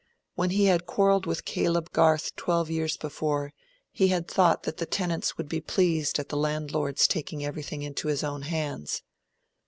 When he had quarrelled with Caleb Garth twelve years before he had thought that the tenants would be pleased at the landlord's taking everything into his own hands.